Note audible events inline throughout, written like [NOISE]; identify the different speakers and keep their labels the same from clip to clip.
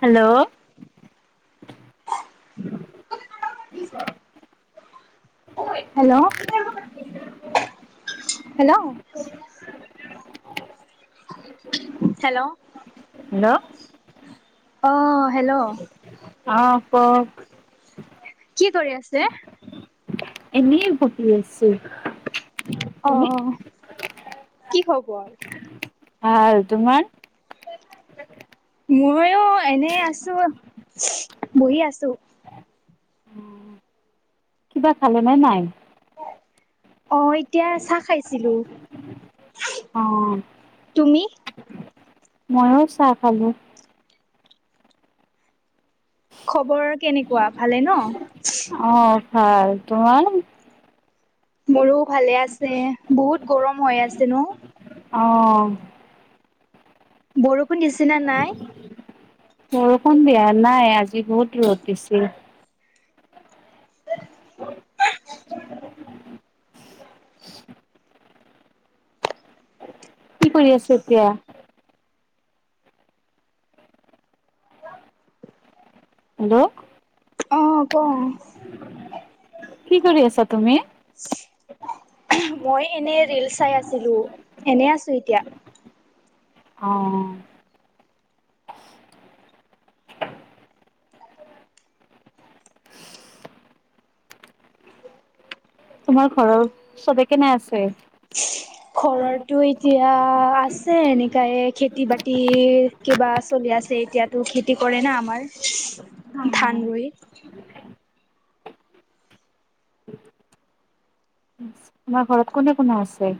Speaker 1: Hello
Speaker 2: hello hello hello
Speaker 1: hello
Speaker 2: অ', hello
Speaker 1: অ', কওক।
Speaker 2: কি কৰি আছে?
Speaker 1: এনেই বহি আছোঁ।
Speaker 2: অ', কি খবৰ?
Speaker 1: ভাল তোমাৰ?
Speaker 2: ময়ো এনে আছোঁ বহি আছোঁ।
Speaker 1: কিবা খালে নে নাই?
Speaker 2: অ', এতিয়া চাহ খাইছিলোঁ।
Speaker 1: অ'
Speaker 2: তুমি?
Speaker 1: ময়ো চাহ খালোঁ।
Speaker 2: খবৰ কেনেকুৱা ভালে ন?
Speaker 1: অ', ভাল তোমাৰ?
Speaker 2: মোৰো ভালে আছে বহুত গৰম হৈ আছে ন?
Speaker 1: অ',
Speaker 2: বৰষুণ দিচিনা নাই?
Speaker 1: বৰষুণ বেয়া নাই আজি বহুত দূৰত দিছে। কি কৰি আছে এতিয়া? হেল্ল'
Speaker 2: অ', ক।
Speaker 1: কি কৰি আছা তুমি?
Speaker 2: [INAUDIBLE] মই এনেই ৰীলছ চাই আছিলোঁ এনেই আছোঁ এতিয়া।
Speaker 1: অ' তোমাৰ ঘৰৰ চবে কেনে আছে?
Speaker 2: ঘৰৰটো এতিয়া আছে এনেকাই এ খেতি বাতি কিবা চলি আ আছে এতিয়াতো খেতি কৰে না আমাৰ ধান ৰুই।
Speaker 1: তোমাৰ ঘৰত কোনে কোনে আছে?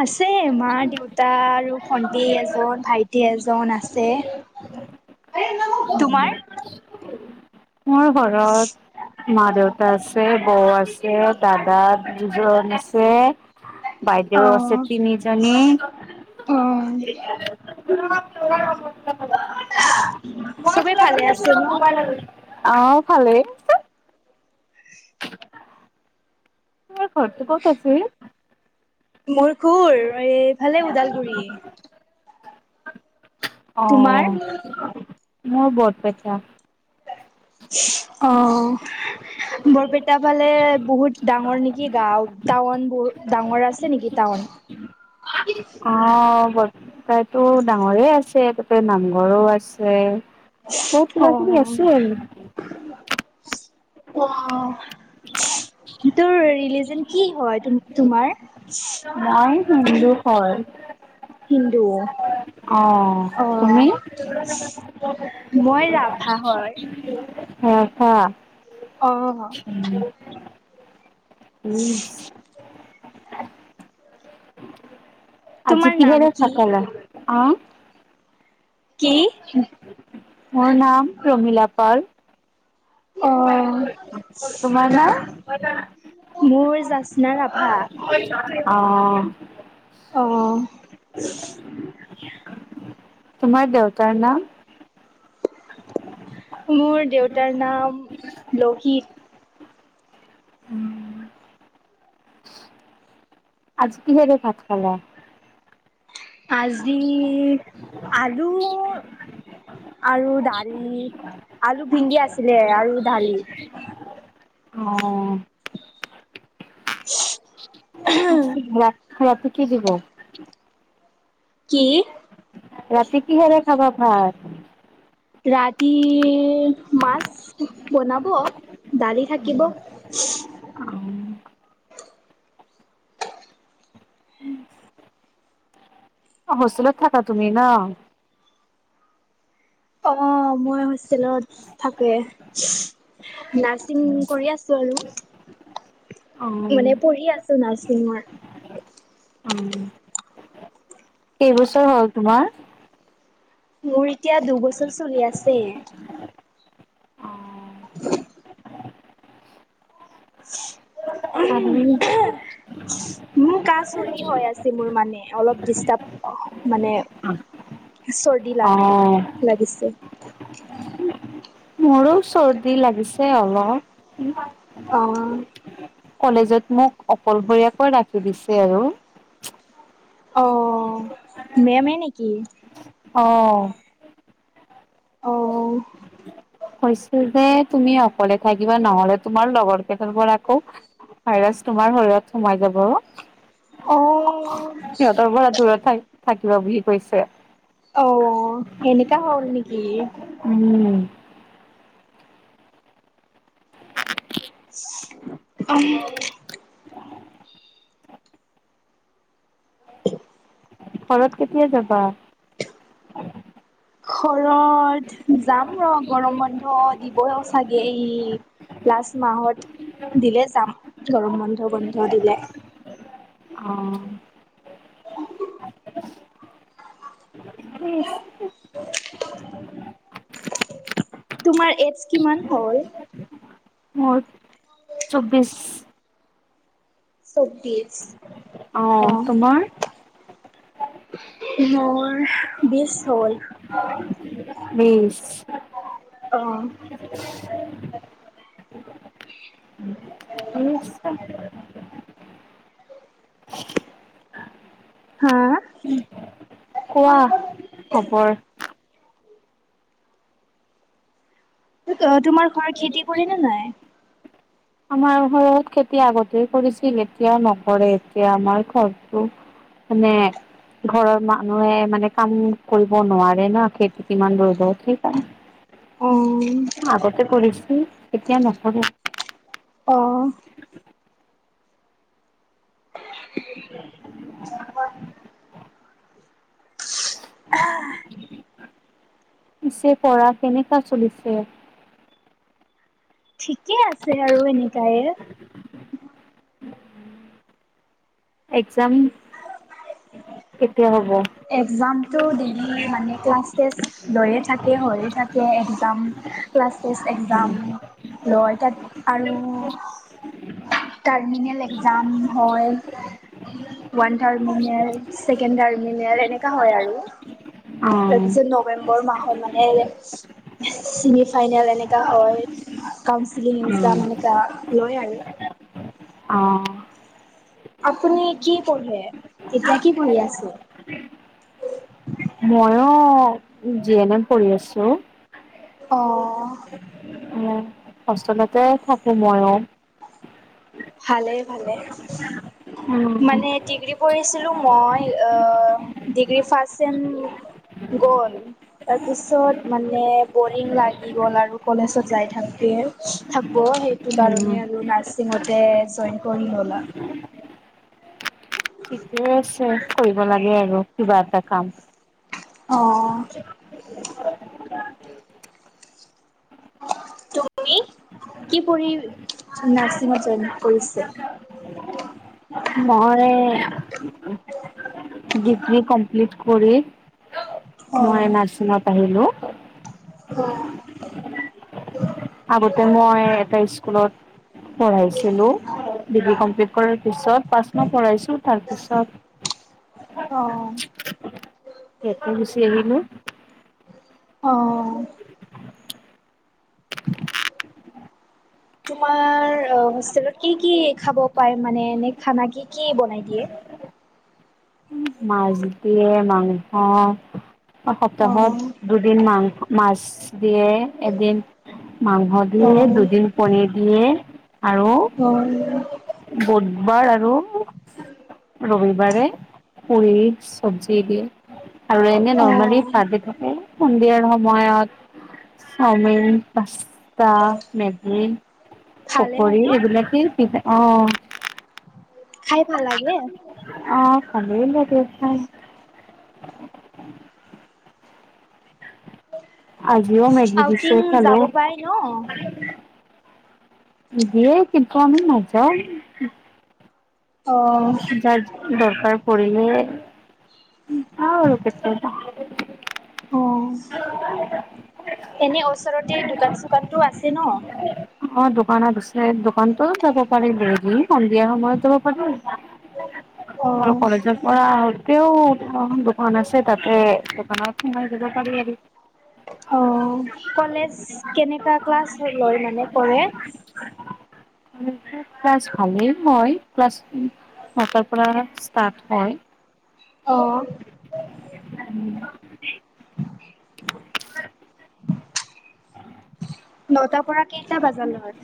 Speaker 2: আছে মা দেউতা আৰু ভন্টি এজন ভাইটি এজন আছে। তোমাৰ
Speaker 1: [INAUDIBLE] মোৰ ঘৰত মা দেউতা আছে বৌ আছে। পিচত দাদা দুজন আছে।
Speaker 2: অ
Speaker 1: বাইদেউ আছে তিনিজনী।
Speaker 2: চবেই ভালে আছে। ন
Speaker 1: অ', ভালেই। তোমাৰ ঘৰটো ক'ত আছিল?
Speaker 2: ভালে ওদালগুৰি। তোমাৰ
Speaker 1: অ', মোৰ বৰপেটা।
Speaker 2: অ', বৰপেটা ফালে বহুত ডাঙৰ নেকি গাঁও টাউন বহুত ডাঙৰ আছে নেকি টাউন? [INAUDIBLE]
Speaker 1: অ' বৰ পেতো ডাঙৰে আছে তাতে নামঘৰো আছে। বহুত
Speaker 2: অ
Speaker 1: কিবা কিবি আছে আৰু।
Speaker 2: [INAUDIBLE] তোৰ ৰিলিজন কি হয় তোমাৰ?
Speaker 1: মই হিন্দু হয়।
Speaker 2: হিন্দু।
Speaker 1: অ', তুমি? [INAUDIBLE]
Speaker 2: মই ৰাভা হয়। অ',
Speaker 1: [UNINTELLIGIBLE] [UNINTELLIGIBLE] আজি
Speaker 2: তোমাৰ নাম
Speaker 1: কিহেৰে
Speaker 2: কি?
Speaker 1: ভাত খালা? অ',
Speaker 2: কি?
Speaker 1: মোৰ নাম প্ৰমীলা পাল।
Speaker 2: অ',
Speaker 1: তোমাৰ নাম?
Speaker 2: মোৰ জাচনা ৰাভা।
Speaker 1: অ',
Speaker 2: অ',
Speaker 1: তোমাৰ দেউতাৰ নাম?
Speaker 2: মোৰ দেউতাৰ নাম লোহিত।
Speaker 1: আজি কিহেৰে ভাত খালা?
Speaker 2: আজি আলু আৰু দালি আলু ভিন্ধি আছিলে আৰু দালি।
Speaker 1: অ',
Speaker 2: [INAUDIBLE]
Speaker 1: ৰা ৰাতি কি দিব?
Speaker 2: কি?
Speaker 1: ৰাতি কিহেৰে খাবা ভাত?
Speaker 2: ৰাতি মাছ বনাব। দালি থাকিব।
Speaker 1: হোষ্টেলত থাকা তুমি ন?
Speaker 2: অ' মই হোষ্টেলত থাকোৱে। নাৰ্ছিং কৰি আছোঁ আৰু।
Speaker 1: অ'
Speaker 2: মানে পঢ়ি আছোঁ নাৰ্চিঙৰ।
Speaker 1: অ' কেইবছৰ হ'ল তোমাৰ?
Speaker 2: মোৰ এতিয়া দুবছৰ চলি আছে।
Speaker 1: অ'
Speaker 2: [INAUDIBLE]
Speaker 1: [UNINTELLIGIBLE]
Speaker 2: মোৰ কা চৰ্দি হৈ আছে মোৰ মানে অলপ ডিষ্টাৰ্ব মানে চৰ্দি লাগে
Speaker 1: অ',
Speaker 2: লাগিছে।
Speaker 1: মোৰো চৰ্দি লাগিছে অলপ।
Speaker 2: অ',
Speaker 1: কলেজত মোক অকল শৰীয়াকৈ ৰাখি দিছে আৰু।
Speaker 2: অ', মেমে নেকি?
Speaker 1: অ',
Speaker 2: অ',
Speaker 1: কৈছো যে তুমি অকলে থাকিবা, নহলে তোমাৰ লগৰ কেইটাৰ পৰা আকৌ ভাইৰাছ তোমাৰ শৰীৰত সোমাই যাব।
Speaker 2: [UNINTELLIGIBLE]
Speaker 1: সিহঁতৰ পৰা দূৰত থা থাকিব বুলি কৈছে।
Speaker 2: অ এনেকা হল নেকি?
Speaker 1: উম,
Speaker 2: উম,
Speaker 1: ঘৰত কেতিয়া যাবা?
Speaker 2: ঘৰত যাম ৰ' গৰম বন্ধ দিবই চাগেই। লাষ্ট মাহত দিলে যাম গৰম বন্ধ বন্ধ দিলে।
Speaker 1: অ', এই
Speaker 2: তোমাৰ এডছ কিমান হ'ল?
Speaker 1: চৌব্বিছ।
Speaker 2: চৌব্বিছ।
Speaker 1: অ', তোমাৰ?
Speaker 2: মোৰ বিশ হ'ল।
Speaker 1: বিশ।
Speaker 2: অ',
Speaker 1: নিছা।
Speaker 2: হা?
Speaker 1: কোৱা খবৰ।
Speaker 2: তোমাৰ ঘৰত খেতি কৰে নে নাই?
Speaker 1: আমাৰ ঘৰত খেতি আগতেই কৰিছিল এতিয়াও নকৰে এতিয়া আমাৰ ঘৰটো মানে ঘৰৰ মানুহে মানে কাম কৰিব নোৱাৰে ন' খেতি কিমান ৰ'দত সেইকাৰনে
Speaker 2: অ
Speaker 1: আগতে কৰিছো এতিয়া নহব।
Speaker 2: অ',
Speaker 1: পিছে পৰা কেনেকা চলিছে?
Speaker 2: ঠিকেই আছে আৰু এনেকাই।
Speaker 1: একজাম হ'ব
Speaker 2: একজামটো ডেইলি মানে ক্লাছ টেষ্ট লৈয়ে থাকে হৈয়ে থাকে একজাম। ক্লাছ টেষ্ট এক্সাম ল, তাত আৰু টাৰ্মিনল এক্সাম হয়। ৱান টাৰ্মিনেল ছেকেণ্ড টাৰ্ম এনেকা হয় আৰু
Speaker 1: অ',
Speaker 2: তাৰপিছত নৱেম্বৰ মাহত মানে চেমি ফাইনেল এনেকা হয় কাউচিলিং এক্সাম এনেকা লয় আৰু।
Speaker 1: অ'।
Speaker 2: আপুনি কি পঢ়ে এতিয়া কি পঢ়ি আছে?
Speaker 1: ময়ো জি এন এম পঢ়ি আছো।
Speaker 2: অ',
Speaker 1: উম, হোষ্টেলতে থাকো ময়ো।
Speaker 2: ভালেই ভালে
Speaker 1: উম।
Speaker 2: মানে ডিগ্ৰী পঢ়ি ছিলোঁ মই অ', ডিগ্ৰী ফাৰ্ষ্ট ছেম গ'ল তাৰপিছত মানে বৰিং লাগি গ'ল আৰু কলেজত যাই থাকে থাক ব' সেইটো
Speaker 1: উম
Speaker 2: কাৰণে আৰু নাৰ্চিংতে জইন কৰি ল'লা [INAUDIBLE]
Speaker 1: ঠিকে আছে কৰিব লাগে আৰু কিবা এটা কাম।
Speaker 2: অ', তুমি কি পঢ়ি নাৰ্চিংত জইন কৰিছে?
Speaker 1: মই ডিগ্ৰী কমপ্লিট কৰি।
Speaker 2: অ'
Speaker 1: মই নাৰ্চিংত আহিলোঁ।
Speaker 2: [INAUDIBLE]
Speaker 1: আগতে মই এটা স্কুলত পঢ়াইছিলোঁ ডিগ্ৰী কমপ্লিট কৰাৰ পিছত পাঁচ মাহ পঢ়াইছোঁ তাৰপিছত
Speaker 2: অ',
Speaker 1: ইয়াতো গুচি আহিলোঁ।
Speaker 2: অ', [INAUDIBLE] তোমাৰ হোষ্টেলত কি কি খাব পায় মানে এনে খানা কি কি বনাই দিয়ে?
Speaker 1: মাছ দিয়ে মাংস সপ্তাহত দুদিন মাংস। মাছ দিয়ে এদিন মাংস
Speaker 2: অ'
Speaker 1: দিয়ে
Speaker 2: অ'
Speaker 1: দুদিন পনীৰ দিয়ে। আৰু
Speaker 2: অ',
Speaker 1: বুধবাৰ আৰু ৰবিবাৰে পুৰি চব্জি দিয়ে আৰু এনে নৰ্মেলী
Speaker 2: অ',
Speaker 1: ভাজি থাকে। সন্ধিয়াৰ সময়ত চাওমিন চাহ, মেগী,
Speaker 2: ভালে হয়
Speaker 1: পকৰি
Speaker 2: ন?
Speaker 1: এইবিলাকেই দি অ',
Speaker 2: খাই ভাল লাগে?
Speaker 1: অ', ভালে লাগে খাই। আজিও, মেগী দিছে
Speaker 2: আউটিং
Speaker 1: হেল্ল'
Speaker 2: যাব পাই ন?
Speaker 1: দিয়ে, কিন্তু আমি নাযাওঁ।
Speaker 2: অ',
Speaker 1: যাৰ দৰকাৰ কৰিলে [UNINTELLIGIBLE]
Speaker 2: অ',
Speaker 1: [INAUDIBLE]
Speaker 2: এনে ওচৰতে দোকান চোকানটো আছে ন?
Speaker 1: অ দোকানত দোকানতো যাব পাৰি ডেইলী সন্ধিয়া সময়ত যাব পাৰি। আৰু
Speaker 2: অ',
Speaker 1: কলেজৰ পৰা আহোঁতেও দোকান আছে তাতে দোকানত সোমাই যাব পাৰি আৰু।
Speaker 2: অ', কলেজ কেনেকা ক্লাছ লয় মানে কৰে? [INAUDIBLE]
Speaker 1: ক্লাছ ভালেই, মই ক্লাছ নটাৰ পৰা ষ্টাৰ্ট হয়।
Speaker 2: অ',
Speaker 1: [INAUDIBLE]
Speaker 2: নটাৰ পৰা কেইটা বাজাৰ লৈ?